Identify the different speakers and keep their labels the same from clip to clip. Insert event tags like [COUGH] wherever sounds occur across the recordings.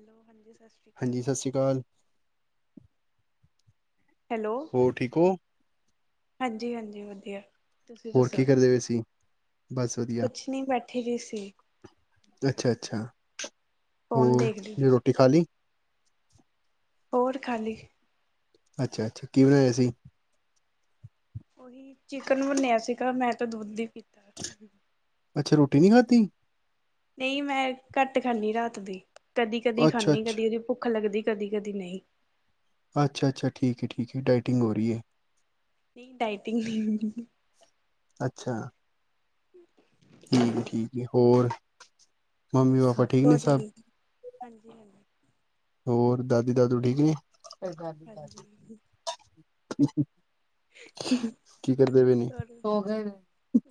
Speaker 1: Hello, ਹਾਂਜੀ ਸਸ ਸ਼੍ਰੀ ਕਾਲ।
Speaker 2: ਕਾਲ।
Speaker 1: ਹੈਲੋ
Speaker 2: ਹੋਰ ਠੀਕ ਓ?
Speaker 1: ਹਾਂਜੀ-ਹਾਂਜੀ ਵਦੀਆ।
Speaker 2: ਹੋਰ ਕੀ ਕਰਦੇ ਪਏ ਸੀ? ਬਸ ਵਧੀਆ
Speaker 1: ਕੁੱਛ ਨੀ ਬੈਠੀ ਦੀ ਸੀ।
Speaker 2: ਅੱਛਾ-ਅੱਛਾ
Speaker 1: ਫੋਨ
Speaker 2: ਹੋਰ
Speaker 1: ਦੇਖਦੀ ਪਈ
Speaker 2: ਜੇ
Speaker 1: ਸੀ
Speaker 2: ਰੋਟੀ ਖਾ ਲੀ?
Speaker 1: ਹੋਰ ਖਾਲੀ।
Speaker 2: ਅੱਛਾ-ਅੱਛਾ ਕੀ ਬਨਾਯਾ ਸੀ?
Speaker 1: ਓਹੀ ਚਿਕਨ ਬਨਯਾ ਸੀਗਾ ਮੈਂ ਤਾਂ ਦੁੱਧ ਈ ਪੀਤਾ ਐ।
Speaker 2: ਅੱਛਾ, ਰੋਟੀ ਨੀ ਖਾਧੀ?
Speaker 1: ਨਈ ਮੈਂ ਘੱਟ ਖਾਨੀ ਰਾਤ ਦੀ ਕਦੀ-ਕਦੀ
Speaker 2: ਅੱਛਾ
Speaker 1: ਖਾਨੀ
Speaker 2: ਅੱਛਾ
Speaker 1: ਕਦੀ-ਕਦੀ ਭੁੱਖ ਭੁੱਖ ਲੱਗਦੀ ਕਦੀ-ਕਦੀ ਨਈ।
Speaker 2: ਅੱਛਾ-ਅੱਛਾ ਠੀਕ ਏ, ਠੀਕ ਏ ਡਾਇਟਿੰਗ ਹੋ ਰੀ ਏ?
Speaker 1: ਨਈ ਡਾਇਟਿੰਗ ਨਈ।
Speaker 2: ਅੱਛਾ। ਠੀਕ ਏ, ਠੀਕ ਏ। ਔਰ ਮੰਮੀ ਪਾਪਾ ਠੀਕ ਨੇ
Speaker 1: ਹੋਰ
Speaker 2: ਸਭ
Speaker 1: [UNINTELLIGIBLE] ਹਾਂਜੀ -ਹਾਂਜੀ।
Speaker 2: ਹੋਰ ਦਾਦੀ ਦਾਦੂ ਠੀਕ ਨੇ?
Speaker 1: ਹਾਂਜੀ ਹਾਂਜੀ
Speaker 2: ਕੀ ਕਰਦੇ ਪਏ ਨੇ?
Speaker 1: ਹੋਰ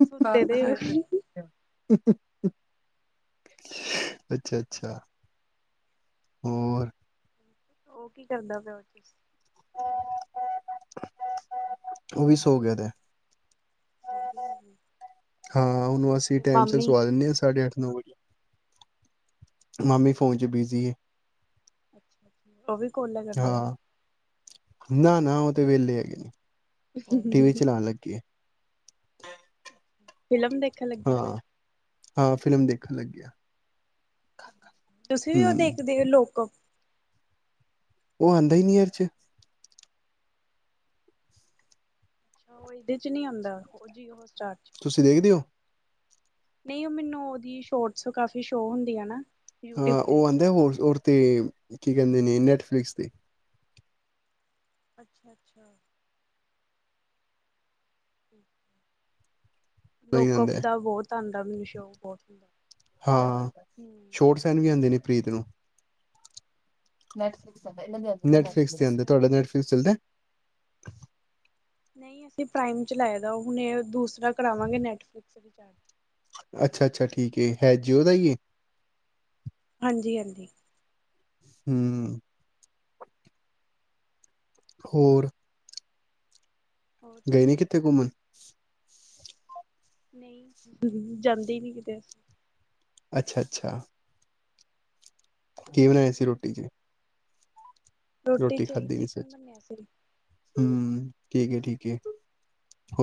Speaker 1: ਸੁੱਤੇ ਦੇ ਹੋ?
Speaker 2: ਅੱਛਾ-ਅੱਛਾ। ਹੋਰ
Speaker 1: ਓ ਕੀ ਕਰਦਾ ਪਯਾ [UNINTELLIGIBLE]
Speaker 2: [INAUDIBLE] ਓ ਵੀ ਸੌ ਗਯਾ ਦੈ।
Speaker 1: ਸੋਂ ਗਯਾ [UNINTELLIGIBLE]
Speaker 2: ਹਾਂ ਓਨੂੰ ਅਸੀਂ ਟਾਈਮ ਸਿਰ ਸਵਾ ਦੇਨੇ ਆਂ ਸਾਢੇ ਅੱਠ, ਨੌ ਵਜੇ। ਮਾਮੀ ਫੋਨ 'ਚ ਬਿਜ਼ੀ ਏ।
Speaker 1: ਓ ਵੀ ਕੋਲਾਂ ਕਰਦੇ ਪਏ।
Speaker 2: ਨਾ-ਨਾ ਓ ਤੇ ਵੇਲੇ ਹੈਗੇ ਨੇ, ਟੀ ਵੀ
Speaker 1: ਫਿਲਮ
Speaker 2: ਚਲਾਨ ਲੱਗੇ।
Speaker 1: ਫਿਲਮ ਦੇਖਨ ਲੱਗੇ?
Speaker 2: ਹਾਂ ਹਾਂ ਫਿਲਮ ਦੇਖਨ ਲੱਗੇ ਆ।
Speaker 1: ਤੁਸੀਂ ਵੀ ਓ ਦੇਖਦੇ ਓ ਲੋਕ-ਅਪ?
Speaker 2: ਓ ਆਂਦਾ ਈ ਨੀ ਏਦੇ 'ਚ।
Speaker 1: ਹਾਂ ਓ ਏਦੇ 'ਚ ਨੀ ਆਂਦਾ ਓ ਜੀਓ ਹੋਟ ਸਟਾਰ 'ਚ
Speaker 2: ਤੁਸੀਂ ਦੇਖਦੇ ਓ?
Speaker 1: ਨਈ ਓ ਮੈਨੂੰ ਓਦੀ ਸ਼ੋਟਸ ਕਾਫੀ ਸ਼ੋਅ ਹੁੰਦੀ ਆ ਨਾ। ਯੂਟਿਊਬ
Speaker 2: ਹਾਂ ਓ
Speaker 1: ਤੇ
Speaker 2: ਆਂਦਾ ਹੋਰ -ਔਰ ਤੇ ਕੀ ਕੈਂਦੇ ਨੇ ਨੈਟਫਲਿਕਸ ਤੇ।
Speaker 1: ਅੱਛਾ -ਅੱਛਾ। ਹਮ
Speaker 2: ਨਹੀਂ
Speaker 1: ਲੋਕਅਪ
Speaker 2: ਆਂਦਾ
Speaker 1: ਦਾ ਬੋਤ ਆਂਦਾ ਮੈਨੂੰ ਸ਼ੌ ਬੋਤ ਹੁੰਦਾ।
Speaker 2: ਹਾਂ
Speaker 1: ਹਮ
Speaker 2: ਛੋਟ ਸੈਣ ਵੀ ਆਂਦੇ ਨੇ ਪ੍ਰੀਤ ਨੂੰ। ਨੈਟਫਲਿਕਸ ਤੇ ਆਂਦਾ,
Speaker 1: ਹਾਂਜੀ
Speaker 2: ਨੈਟਫਲਿਕਸ ਤੇ ਆਂਦਾ,
Speaker 1: ਅੱਛਾ
Speaker 2: ਤੁਆਡਾ
Speaker 1: ਅੱਛਾ
Speaker 2: ਨੈਟਫਲਿਸ ਚਲਦਾ।
Speaker 1: ਨਈ ਅਸੀਂ ਪ੍ਰਾਈਮ ਚਲਾਇਆ ਦਾ, ਹੁਣ ਏ ਦੂਸਰਾ ਕਰਾਵਾਂਗੇ ਨੈਟਫਲਿਕਸ ਰਿਚਾਰਜ।
Speaker 2: ਅੱਛਾ- ਅੱਛਾ ਠੀਕ ਏ ਹੈ ਜੀਓ ਦਾ ਈਏ।
Speaker 1: ਹਾਂਜੀ -ਹਾਂਜੀ।
Speaker 2: ਹੂੰਅ। ਹੋਰ।
Speaker 1: ਬਹੁਤ
Speaker 2: ਗਏ ਨੇ
Speaker 1: ਵਧੀਆ
Speaker 2: ਕਿੱਤੇ ਘੁੰਮਣ।
Speaker 1: ਨਈ ਜਾਂਦੇ ਈ ਨੀ ਕਿਤੇ ਅਸ
Speaker 2: ਅੱਛਾ, ਅੱਛਾ। ਕੀ ਬਣਾਇਆ ਸੀ ਰੋਟੀ 'ਚ।
Speaker 1: ਰੋਟੀ 'ਚ ਓਈ
Speaker 2: ਖਾਧੀ ਨੀ
Speaker 1: ਚਿਕਨ
Speaker 2: ਸੱਚ
Speaker 1: ਬਣਿਆ ਸੀ।
Speaker 2: ਹੂੰ ਠੀਕ ਐ -ਠੀਕ ਐ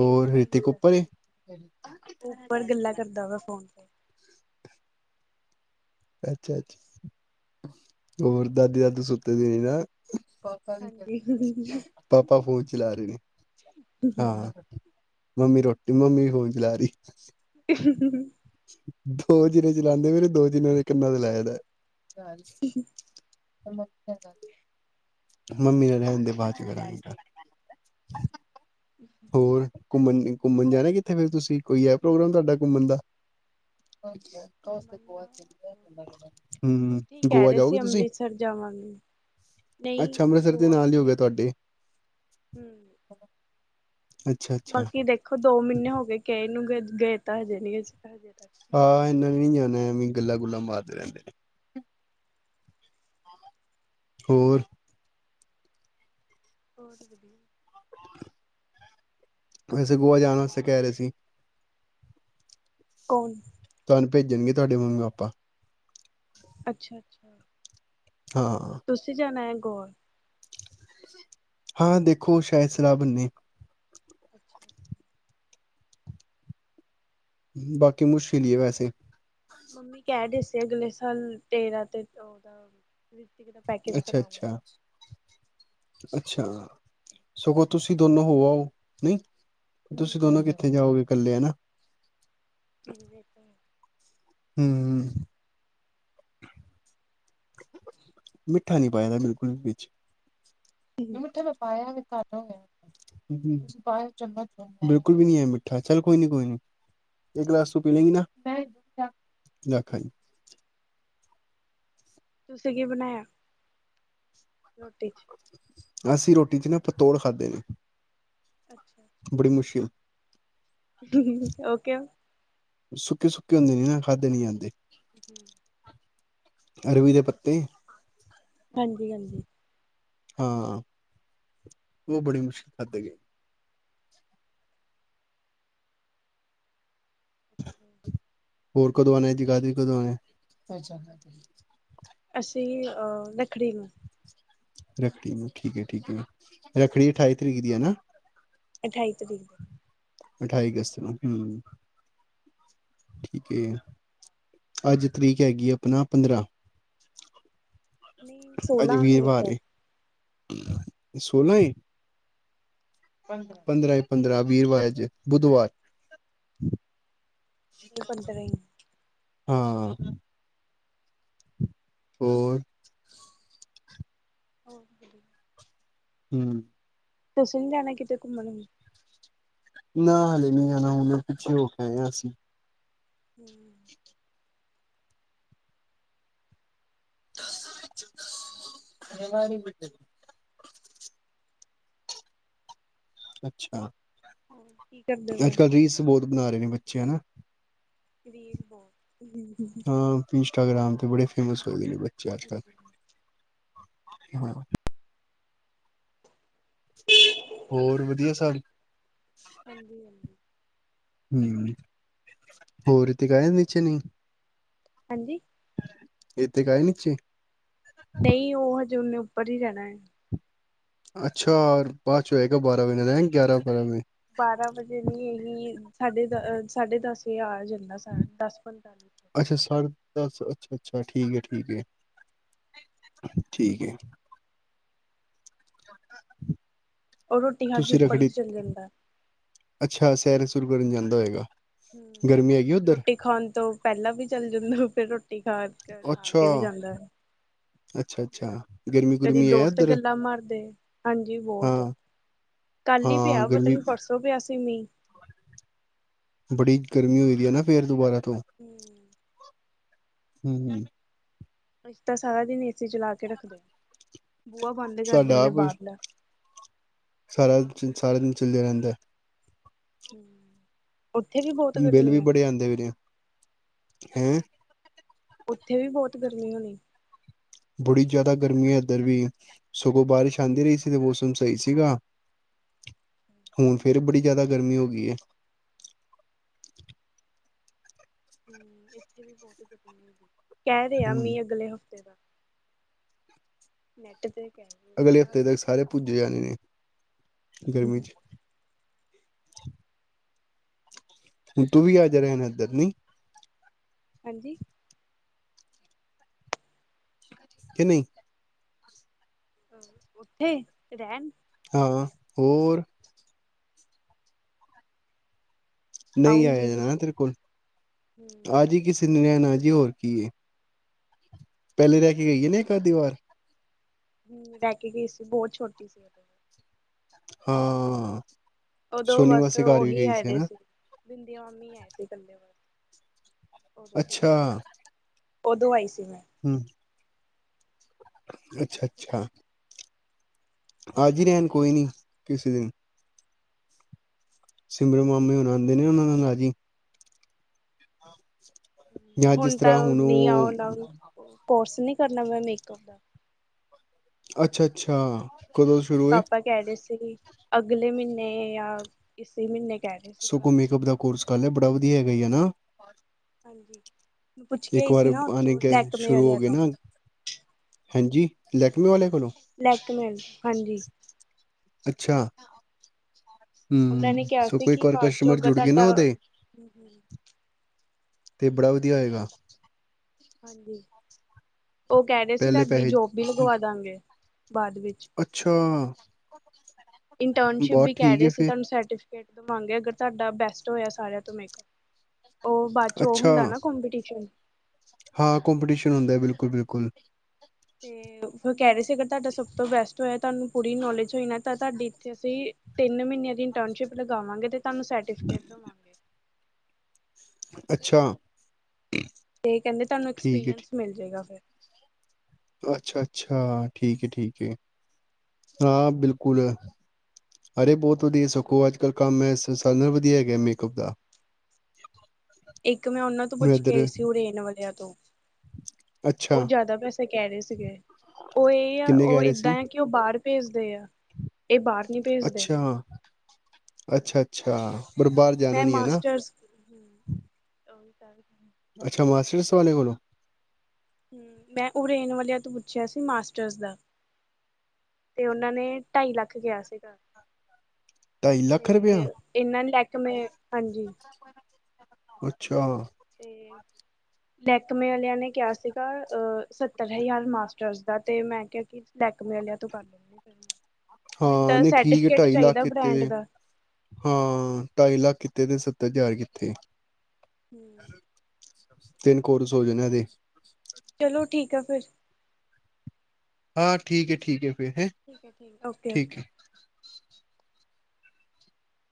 Speaker 1: ਏਅਰ
Speaker 2: ਰਿਤਿਕ ਉੱਪਰ ਏ।
Speaker 1: ਓ ਉੱਪਰ ਗੱਲਾਂ ਕਰਦਾ ਵਿਆ ਫੋਨ ਤੇ।
Speaker 2: ਅੱਛਾ -ਅੱਛਾ ਹੋਰ ਦਾਦੀ, ਦਾਦੂ ਸੁੱਤੇ ਦੇ ਨਾ। ਪਾਪਾ ਕੀ
Speaker 1: ਹਾਂਜੀ
Speaker 2: ਕਰਦੇ ਨੇ, ਪਾਪਾ ਫੋਨ ਚਲਾ ਰੇ ਨੇ ਹਾਂ। ਮੰਮੀ ਰੋਟੀ, ਮੰਮੀ ਵੀ ਫੋਨ ਚਲਾ ਰੀ।
Speaker 1: [INAUDIBLE]
Speaker 2: ਦੋ ਜਨ ਚਲਾਂਦੇ ਪੇ ਨੇ, ਦੋ ਜਨਿਆਂ ਨੇ ਕੰੰਨਾ 'ਚ ਲਾਇਆ ਦਾ। ੱ [UNINTELLIGIBLE] ਮੰਮੀ ਨਾਲ ਰੈਣ ਦੇ ਬਾਦ 'ਚ ਕਰਾਂਗੇ ਗੱਲ। ਹੋਰ। ਘੁੰਮਣ ਘੁੰਮਣ ਜਾਣਾ ਕਿੱਥੇ ਫੇਰ ਤੁਸੀਂ, ਕੋਈ ਐ ਪ੍ਰੋਗਰਾਮ ਤਾਡਾ ਘੁੰਮਣ ਦਾ।
Speaker 1: ਦਾ
Speaker 2: ਹੂੰ
Speaker 1: ਉੱਥੇ ਹੀ ਕਹਿ
Speaker 2: ਗੋਆ
Speaker 1: ਰਹੇ
Speaker 2: ਜਾਓਗੇ
Speaker 1: ਸੀ
Speaker 2: ਤੁਸੀਂ।
Speaker 1: ਅੰਮ੍ਰਿਤਸਰ ਜਾਵਾਂਗੇ ਨਹੀਂ
Speaker 2: ਅੱਛਾ ਅੰਮ੍ਰਿਤਸਰ ਦੇ ਨਾਲ ਈ ਹੋ ਗਿਆ ਤਾਡੇ।
Speaker 1: ਹੂੰ।
Speaker 2: ਅੱਛਾ ਅੱਛਾ
Speaker 1: ਬਾਕੀ ਦੇਖੋ ਦੋ ਮੀਨੇ ਹੋ ਗੇ ਗਏ ਨੂੰ, ਗਏ ਤਾਂ ਹਜੇ ਨੀ ਅ ਹਜੇ ਤਕ।
Speaker 2: ਹਾਂ ਏਨਾ ਨੇ ਨੀ ਜਾਣਾ, ਐਵੇਂ ਗੱਲਾਂ-ਗੁੱਲਾਂ ਮਾਰਦੇ ਰੈਂਦੇ ਨੇ। ਹੋਰ।
Speaker 1: ਹੋਰ ਵਧੀਆ।
Speaker 2: ਮੈਂ ਸਗੋਂ ਗੋਆ ਜਾਣ ਅਸਤੇ ਕੈ ਰਿਆ ਸੀ।
Speaker 1: ਕੋਣ?
Speaker 2: ਤੁੁਨੂੰ ਭੇਜਣਗੇ ਤੁਆਡੇ ਮੰਮੀ-ਪਾਪਾ।
Speaker 1: ਅੱਛਾ-ਅੱਛਾ।
Speaker 2: ਹਾਂ।
Speaker 1: ਤੁਸੀਂ ਜਾਣਾ ਏ ਗੋਆ।
Speaker 2: ਹਾਂ ਦੇਖੋ ਸ਼ੈਦ ਸਲਾਅ ਬਣੇ।
Speaker 1: [UNINTELLIGIBLE] [INAUDIBLE]
Speaker 2: ਬਾਕੀ ਮੁਸ਼ਲੀ ਈ ਐ ਵੈਸੇ।
Speaker 1: ਮੰਮੀ ਕੈ ਰੇ ਸੀੇ ਅਗਲੇ ਸਾਲ ਤੇਰਾਂ ਤੇ ਓਦਾ ਰਿਤਕ ਦਾ ਪੈਕੇਜ
Speaker 2: ਅੱਛਾ
Speaker 1: ਕਰਾ ਦਿੰਨੇ।
Speaker 2: ਅੱਛਾ ਅੱਛਾ ਸਗੋਂ ਤੁਸੀਂ ਦੋਨੋ ਹੋ ਆਓ, ਨਈ। ਤੁਸੀਂ
Speaker 1: ਹਮ
Speaker 2: ਦੋਨੋ ਕਿੱਥੇ ਜਾਓਗੇ ਕੱਲੇ ਨਾ।
Speaker 1: ਟੀ ਵੀ ਵੇਖ ਦੈ।
Speaker 2: ਹੂੰ ਹੂੰ ਮਿੱਠਾ ਨੀ ਪਾਈਦਾ ਬਿਲਕੁਲ ਵਿੱਚ ਮਿੱਠਾ ਮੈਂ ਪਾਇਆ ਵੀ ਘਟ [UNINTELLIGIBLE] ਪਾਇਆ ਇਕ ਚਮਚ ਤਾ, ਬਿਲਕੁਲ ਵੀ ਨੀ ਏ ਮਿੱਠਾ ਚੱਲ ਕੋਈ ਨੀ ਕੋਈ ਨੀ ਇਹ ਗਲਾਸ ਤੂੰ ਪੀ ਲੇ ਗੀ ਨਾ। [UNINTELLIGIBLE] ਰੱਖ ਆਈ
Speaker 1: ਤੁਸੀਂ ਕੀ ਬਣਾਇਆ। ਰੋਟੀ 'ਚ'?
Speaker 2: ਅਸੀਂ ਰੋਟੀ ਚ ਨਾ ਪਤੋਲ ਖਾਧੇ ਨੇ
Speaker 1: ਅੱਛਾ।
Speaker 2: ਬੜੀ ਮੁਸ਼ਕਿਲ
Speaker 1: ਓ ਕਿਉ?
Speaker 2: ਸੁੱਕੇ-ਸੁੱਕੇ ਹੁੰਦੇ ਨੇ ਨਾ ਖਾਧਦੇ ਨੀ ਜਾਂਦੇ।
Speaker 1: ਹੂ ਹੂੰ
Speaker 2: ਅਰਬੀ ਦੇ ਪੱਤੇ
Speaker 1: ਹਾਜੀ -ਹਾਜੀ।
Speaker 2: ਹਾਂ ਉਹ ਬੜੀ ਮੁਸ਼ਕਿਲ ਖਾਧੇ ਗਏ।
Speaker 1: ਅੱਛਾ
Speaker 2: ਹੋਰ ਕਦੋਂ ਆਣਾ ਜਗਾਦਰੀ ਕਦੋਂ ਆਣਾ? [UNINTELLIGIBLE]
Speaker 1: ਅਸੀਂ ਅ ਰੱਖੜੀ ਨੂੰ
Speaker 2: ਰੱਖੜੀ ਨੂੰ ਠੀਕ ਏ ਠੀਕ ਏ, ਰੱਖੜੀ ਅਠਾਈ ਤਰੀਕ ਦੀ ਐ ਨਾ।
Speaker 1: ਅਠਾਈ ਤਰੀਕ ਦਾ।
Speaker 2: ਅਠਾਈ ਅਗਸਤ ਨੂੰ ਹੂੰ। ਠੀਕ ਏ, ਅੱਜ ਤਰੀਕ ਹੈਗੀ ਆਪਣਾ ਪੰਦਰਾਂ
Speaker 1: ਨਹੀਂ
Speaker 2: ਅੱਜ
Speaker 1: ਸੋਲਾਂ ਮੇਰੇ
Speaker 2: ਵੀਰਵਾਰ
Speaker 1: ਖਿਆਲ
Speaker 2: ਏ, ਸੋਲਾਂ ਏ ਪੰਦਰਾਂ ਏ ਪੰਦਰਾਂ, ਵੀਰਵਾਰ ਅੱਜ ਬੁੱਧਵਾਰ [INAUDIBLE]
Speaker 1: ਨੀ ਪੰਨਦਾ ਈ ਐ।
Speaker 2: ਹਾ। ਹੋਰ
Speaker 1: ਹੋ ਵਧੀਆ।
Speaker 2: ਹੂੰ
Speaker 1: ਤੁਸੀਂ ਨੀ ਜਾਣਾ ਕਿਤੇ ਘੁੰਮਣ ਨੂੰ
Speaker 2: ਨਾ ਹਾਲੇ ਨੀ ਜਾਣਾ। ਹੁਣ ਪਿੱਛੇ ਹੋ ਕੇ ਆਏ ਆ ਅਸੀਂ
Speaker 1: ਹੂੰ
Speaker 2: [UNINTELLIGIBLE] ਮੇਰਾ ਨੀ ਵੱਜਦਾ। ਅੱਛਾ
Speaker 1: ਹੋਰ ਕੀ ਕਰਦੇ
Speaker 2: ਅੱਜ- ਕੱਲ
Speaker 1: ਪਏ
Speaker 2: ਰੀਲਸ ਬਹੁਤ ਬਣਾ ਰਹੇ ਨੇ ਬੱਚੇ ਹਨਾ।
Speaker 1: ਰੀਲ ਬੋਤ ਹੂੰ ਹੂੰ।
Speaker 2: ਹਾ ਇੰਸਟਾਗ੍ਰਾਮ ਤੇ ਬੜੇ ਫੇਮਸ ਗਏ ਨੇ ਬੱਚੇ ਅੱਜ- ਕੱਲ੍ਹ ਹਾ।
Speaker 1: [INAUDIBLE]
Speaker 2: ਹੋਰ ਵਧੀਆ ਸਾਰੇ?
Speaker 1: ਹਾਂਜੀ ਹਾਂਜੀ।
Speaker 2: ਹੂੰ, ਹੋਰ ਰੀਤੀਕ ਆਇਆ ਨੀਚੇ ਨੀ?
Speaker 1: ਹੈਜੀ
Speaker 2: ਏਥੇ ਗਏ ਨੀਚੇ।
Speaker 1: ਨਈ ਓ ਹਜੇ ਓਨੇ ਉੱਪਰ ਈ ਰੈਣਾ ਐ।
Speaker 2: ਅੱਛਾ ਬਾਦ 'ਚੋ ਆਏਗਾ
Speaker 1: ਔਰ
Speaker 2: ਬਾਰਾਂ ਵਜੇ ਐ ਗਿਆਰਾਂ ਬਾਰਾਂ ਵੇ
Speaker 1: ਬਾਰਾਂ ਵਜੇ ਨਈ ਨੀ ਸਾਡੇ ਦ ਸਾਢੇ ਦਸ ਵਜੇ ਆ ਜਾਂਦਾ ਸਾ ਦਸ ਪੰਤਾਲੀ ਨੂੰ
Speaker 2: ਅੱਛਾ ਸਾ ਸਾਢੇ ਦਸ ਅੱਛਾ- ਅੱਛਾ ਠੀਕ ਠੀਕ ਏ। ਠੀਕ ਏ।
Speaker 1: ਔਰ ਰੋਟੀ ਖਾ ਕੇ
Speaker 2: ਤੁਸੀਂ
Speaker 1: ਉੱਪਰ ਹੀ
Speaker 2: ਰਖੜੀ
Speaker 1: ਚੱਲ ਜਾਂਦਾ
Speaker 2: ਅੱਛਾ ਸੈਰ ਸੁਰ ਕਰਨ ਜਾਂਦਾ ਹੋਏਗਾ। ਗਰਮੀ ਹੈਗੀ ਉੱਧਰ
Speaker 1: ਹੂੰ--ਰੋਟੀ ਖਾਣ ਤੋਂ ਪੇਲਾਂ ਵੀ ਚੱਲ ਜਾਂਦਾ ਫੇਰ ਰੋਟੀ ਖਾਣ
Speaker 2: ਅੱਛਾ, ਅੱਛਾ- ਅੱਛਾ। ਗਰਮੀ
Speaker 1: ਕਦੀ
Speaker 2: ਗੁਰਮੀ ਹੈ
Speaker 1: ਦੋਸਤ
Speaker 2: ਇੱਧਰ
Speaker 1: ਗੱਲਾਂ ਮਾਰਦੇ, ਹਾਂਜੀ
Speaker 2: ਹਾਂ
Speaker 1: ਬੋਤ ਕੱਲ ਈ
Speaker 2: ਹਾਂ
Speaker 1: ਪੇਆ ਪਤਾ
Speaker 2: ਗਰਮੀ
Speaker 1: ਨੀ ਪਰਸੋਂ ਪੇਆ ਸੀ ਮੀਂਹ
Speaker 2: ਬੜੀ ਗਰਮੀ ਹੋਈ ਦੀ ਹੈ ਨਾ ਫੇ ਦੁਬਾਰਾ ਤੋਂ
Speaker 1: ਹੂੰ
Speaker 2: ਹੂੰ -ਹੂੰ
Speaker 1: ਅਸੀਂ ਤਾਂ ਸਾਰਾ ਦਿਨ ਏਸੀ ਚਲਾ ਕੇ ਰੱਖਦੇ, ਬੂਆ ਬੰਦ ਕਰ
Speaker 2: ਸਾਡਾ
Speaker 1: ਦਿੰਨੇ
Speaker 2: ਆਪ
Speaker 1: ਬਾਰਲਾ।
Speaker 2: ਸਾਰਾ ਦਿਨ, ਸਾਰਾ ਦਿਨ ਚੱਲੇਆ ਰੇਂਦਾ।
Speaker 1: ਹੂੰ
Speaker 2: ਬਿੱਲ ਵੀ ਬੜੇ ਆਂਦੇ ਹੋਣੇ ਆ, ਹੈ?
Speaker 1: ਓੱਥੇ ਵੀ ਬੋਤ ਗਰਮੀ ਹੋਣੀ?
Speaker 2: ਬੜੀ ਜਾਦਾ ਗਰਮੀ ਐ ਏੱਧਰ ਵੀ ਸਗੋਂ ਬਾਰਿਸ਼ ਆਂਦੀ ਰਈ ਸੀ ਤੇ ਮੌਸਮ ਸਈ ਸੀਗਾ। ਹੁਣ ਫੇਰ ਬੜੀ ਜਾਦਾ ਗਰਮੀ ਹੋ ਗਈ ਏ।
Speaker 1: ਹੂੰ ਏੱਥੇ ਵੀ ਬੋਤ ਗਰਮੀ ਹੈਗੀ, ਕੈ ਰਏ ਆ
Speaker 2: ਹਮ
Speaker 1: ਮੀਂਹ ਅਗਲੇ ਹਫ਼ਤੇ ਦਾ। ਨੈਂਟ ਤੇ ਕਹਿ ਰਹੇ
Speaker 2: ਅਗਲੇ
Speaker 1: ਦਿਖਾ
Speaker 2: ਹਫ਼ਤੇ
Speaker 1: ਰਹੇ
Speaker 2: ਤੱਕ ਸਾਰੇ ਭੁੱਜੇ ਜਾਣੇ ਨੇ, ਗਰਮੀ
Speaker 1: ਸੀ।
Speaker 2: 'ਚ ਫੇਰ ਤੂੰ ਵੀ ਆਜਾ ਰੈਣ ਏਦਰ ਨਈ?
Speaker 1: ਹਾਂਜੀ?
Speaker 2: ਕਿ ਨਈ
Speaker 1: ਅ, ਉੱਥੇ ਰੈਣ?
Speaker 2: ਹਾ ਹੋਰ ਨਈ ਆਏਆ
Speaker 1: ਆਊਂਗੀ
Speaker 2: ਜਾਣਾ ਨਾ
Speaker 1: ਕਿਸੇ
Speaker 2: ਤੇਰੇ
Speaker 1: ਦਿਨ
Speaker 2: ਕੋਲੋਂ,
Speaker 1: ਹੂੰ
Speaker 2: ਆਜੀ ਕਿਸੇ ਦਿਨ ਰੈਣ ਆਜੀ ਹੋਰ ਕੀ ਐ? ਪੇਲੇ ਰੈ ਕੇ ਗਈਏ ਨੇ ਇੱਕ -ਅੱਧੀ ਵਾਰ?
Speaker 1: ਹੂੰ ਰੈ ਕੇ ਗਈ ਸੀ ਬੋਤ ਛੋਟੀ ਸੀ ਓਦੋ।
Speaker 2: ਹਾਂ
Speaker 1: ਓਦੋਂ ਬਸ ਓਹੀ ਆਏ ਦੇ ਸੀਗੇ। ਬਿੰਦੀ ਮਾਮੀ ਆਏ ਸੀ ਇਕੱਲੇ ਬਸ, ਓਦੋਂ
Speaker 2: ਅੱਛਾ
Speaker 1: ਸੀਗੇ। ਓਦੋਂ ਆਈ ਸੀ ਮੈਂ।
Speaker 2: ਹੂੰ। ਅੱਛਾ -ਅੱਛਾ। ਆਜੀ ਰੈਣ ਕੋਈ ਨੀ ਕਿਸੀ ਦਿਨ ਸਿਮਰੋ
Speaker 1: ਠੀਕ
Speaker 2: ਮਾਮੀ ਹੁਣ
Speaker 1: ਹੈ,
Speaker 2: ਆਂਦੇ ਨੀ ਓਨਾਂ ਨਾਲ ਆਜੀ। ਜਾਂ ਜਿਸ
Speaker 1: ਹੁਣ ਤਾਂ
Speaker 2: ਤਰ੍ਹਾਂ
Speaker 1: ਨਈ ਆ
Speaker 2: ਉਹ
Speaker 1: ਹੋਣਾ ਮੇਰੇ ਕੋਲ, ਕੋਰਸ ਨਈ ਕਰਨਾ ਮੈਂ ਮੇਕਅਪ ਦਾ
Speaker 2: ਅੱਛਾ -ਅੱਛਾ ਕਦੋਂ ਸ਼ੁਰੂ ਏ?
Speaker 1: ਕੈ ਰਏ ਸੀਗੇ, ਅਗਲੇ ਮੀਨੇ ਜਾਂ ਇਸੀ ਮੀਨੇ
Speaker 2: ਸਕੋ ਮੇਕਅਪ ਦਾ ਕੋਰਸ ਕਰ ਲਿਆ ਬੜਾ ਵਦੀਆ ਹੈਗਾ ਈ ਐ ਨਾ
Speaker 1: ਹਾਂਜੀ। ਮੈਂ ਪੁੱਛ ਕੇ
Speaker 2: ਇੱਕ
Speaker 1: ਆਈ
Speaker 2: ਵਾਰ
Speaker 1: ਸੀ ਨਾ
Speaker 2: ਆਨੇ
Speaker 1: ਉਤੋਂ
Speaker 2: ਗਾਕ
Speaker 1: ਲੈਕਮੇ
Speaker 2: ਸ਼ੁਰੂ ਹੋ
Speaker 1: ਵਾਲਿਆਂ
Speaker 2: ਗਏ
Speaker 1: ਤੋਂ
Speaker 2: ਨਾ, ਹੈਂਜੀ ਲੈਕਮੇ ਵਾਲੇ ਕੋਲੋਂ
Speaker 1: ਲੈਕਮੇਲ ਹਾਂਜੀ।
Speaker 2: ਅੱਛਾ।
Speaker 1: ਉਹਨਾਂ
Speaker 2: ਹੂੰ,
Speaker 1: ਨੇ ਕਿਹਾ ਸੀ
Speaker 2: ਸਕੋਂ ਇੱਕ
Speaker 1: ਕਿ
Speaker 2: ਵਾਰ
Speaker 1: ਬਾਅਦ ਚੋਂ
Speaker 2: ਕਸਟਮਰ
Speaker 1: ਅਗਰ
Speaker 2: ਜੁੜ ਗਏ ਨਾ
Speaker 1: ਤੁਹਾਡਾ
Speaker 2: ਓਦੇ ਤੇ ਬੜਾ ਵਦੀਆ ਹੋਏਗਾ।
Speaker 1: ਹਾਂਜੀ, ਓ ਕੈ ਰਏ ਸੀ
Speaker 2: ਪਹਿਲੇ
Speaker 1: ਤੁਆਡੀ
Speaker 2: ਪੈਸੇ
Speaker 1: ਜੋਬ ਵੀ ਲਗਵਾ ਦਾਂਗੇ ਬਾਦ ਵਿੱਚ
Speaker 2: ਅੱਛਾ!
Speaker 1: ਇੰਟਰਨਸ਼ਿਪ
Speaker 2: ਬਹੁਤ
Speaker 1: ਵੀ ਕੈ
Speaker 2: ਠੀਕ
Speaker 1: ਰਏ
Speaker 2: ਹੈ
Speaker 1: ਸੀ,
Speaker 2: ਫਿਰ
Speaker 1: ਤੁਆਨੂੰ ਸਰਟੀਫਿਕੇਟ ਦਵਾਂਗੇ ਅਗਰ ਤਾਡਾ ਬੈਸਟ ਹੋਇਆ ਸਾਰਿਆਂ ਤੋਂ ਮੇਕਅਪ ਓ ਬਾਦ ਚ ਓ ਹੁੰਦਾ
Speaker 2: ਅੱਛਾ
Speaker 1: ਨਾ ਕੋਪੀਟੀਸ਼ਨ
Speaker 2: ਹਾਂ ਕੋਂਪੀਟੀਸ਼ਨ ਹੁੰਦਾ ਬਿਲਕੁਲ-ਬਿਲਕੁਲ।
Speaker 1: ਤੇ ਫ਼ਿਰ ਕੈ ਰਏ ਸੀ ਅਗਰ ਤਾਡਾ ਸਬ ਤੋਂ ਬੈਸਟ ਹੋਇਆ ਤੁਆਨੂੰ ਪੂਰੀ ਨੌਲੇਜ ਹੋਈ ਨਾ ਤਾਂ ਤੈਡੀ ਇੱਥੇ ਅਸੀਂ ਤਿੰਨ ਮ੍ਹੀਨਿਆਂ ਦੀ ਇੰਟਰਨਸ਼ਿਪ ਲਗਾਵਾਂਗੇ ਤੇ ਤੁਆਨੂੰ ਸਰਟੀਫਿਕੇਟ ਦੇਵਾਂਗੇ।
Speaker 2: ਅੱਛਾ!
Speaker 1: ਤੇ ਕੈਂਦੇ ਤੁਆਨੂੰ
Speaker 2: ਠੀਕ ਹੈ
Speaker 1: ਐਕਸਪੀਰੀਐਂਸ ਮਿਲ ਜੇਗਾ ਫੇਰ।
Speaker 2: ਅੱਛਾ-ਅੱਛਾ, ਠੀਕ ਐ-ਠੀਕ ਐ। ਹਾਂ ਬਿਲਕੁਲ, ਅਰੇ ਬੋਤ ਵਦੀਆ ਸਕੋ ਆੱਜ-ਕੱਲ ਕੰਮ ਐ ਸਾਰੇ ਨਾਲ ਵਦੀਆ ਹੈਗਾ ਮੇਕਅਪ ਦਾ।
Speaker 1: ਇੱਕ ਮੈਂ ਓਨਾਂ ਤੋਂ
Speaker 2: ਹੁਣ
Speaker 1: ਪੁੱਛ ਕੇ
Speaker 2: ਇੱਧਰ
Speaker 1: ਆਈ ਸੀ ਓਰੇੇਨ ਵਾਲਿਆਂ ਤੋਂ ਉਹ
Speaker 2: ਅੱਛਾ
Speaker 1: ਜਾਦਾ ਪੈ ਕੈ ਰੇ ਸੀਗੇ, ਓ ਏ ਆ
Speaker 2: ਕਿੰਨੇ
Speaker 1: ਓ
Speaker 2: ਕਹਿ ਰਹੇ ਸੀ
Speaker 1: ਏਦਾਂ ਆ ਕਿ ਓ ਬਾਰ ਪੇਜਦੇ ਆ। ਇਹ ਬਾਹਰ ਨੀ ਭੇਜਦੇ
Speaker 2: ਅੱਛਾ! ਅੱਛਾ-ਅੱਛਾ।
Speaker 1: ਮੈਂ ਮਾਸਟਰਸ
Speaker 2: ਅੱਛਾ! ਮਾਸਟਰਸ ਵਾਲੇ ਕੋਲੋਂ
Speaker 1: ਹੂੰ, ਮੈਂ ਓਰੇਨ ਵਾਲਿਆਂ ਤੋਂ ਪੁੱਛਿਆ ਸੀ ਮਾਸਟਰਸ ਦਾ ਤੇ ਓਨਾਂ ਨੇ ਢਾਈ ਲੱਖ ਕੇਆ ਸੀਗਾ।
Speaker 2: ਢਾਈ ਲੱਖ
Speaker 1: ਤੇ
Speaker 2: ਰੁਪਇਆ
Speaker 1: ਏਨਾਂ ਲੈਕਮੇ ਹਾਂਜੀ।
Speaker 2: ਅੱਛਾ!
Speaker 1: ਤੇ ਲੈਕਮੇ ਆਲੇਆਂ ਨੇ ਕਿਆ ਸੀਗਾ ਅ ਸ ਤਰ ਹਜ਼ਾਰ ਮਾਸਟਰਸ ਦਾ ਤੇ ਮੈਂ ਕਿਆ ਕਿ ਲੈਕਮੇ ਆਲੇਆਂ ਤੋਂ ਕਰ ਲੁਂਗੀ ਫੇਰ। ਮੈਂਨ
Speaker 2: ਹਾਂ
Speaker 1: ਟਾ
Speaker 2: ਨਹੀਂ ਠੀਕ ਹੈ
Speaker 1: ਸਰਟੀਫਿਕੇਟ
Speaker 2: ਢਾਈ ਲੱਖ
Speaker 1: ਚਾਈਦਾ
Speaker 2: ਕਿੱਤੇ
Speaker 1: ਬ੍ਰੈਂਡ
Speaker 2: ਦੇ
Speaker 1: ਦਾ
Speaker 2: ਹਾਂ, ਢਾਈ ਲੱਖ ਕਿੱਥੇ ਤੇ ਸੱਤਰ ਹਜ਼ਾਰ ਕਿੱਥੇ?
Speaker 1: ਹੂੰ।
Speaker 2: ਤਿੰਨ ਕੋਰਸ ਹੋ ਜਨ ਐਦੇ।
Speaker 1: ਚਲੋ ਠੀਕ ਆ ਫ਼ਿਰ।
Speaker 2: ਆਂ ਠੀਕ ਏ-ਠੀਕ ਏ ਫ਼ੇਰ ਹੈਂ।
Speaker 1: ਠੀਕ ਐ ਠੀਕ
Speaker 2: ਠੀਕ ਹੈ।
Speaker 1: ਓਕੇ-ਓਕੇ।